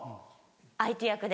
相手役で。